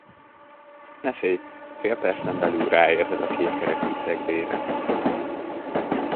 Ne félj, fél percen belül ráérzel a kétkerekű Segway-re.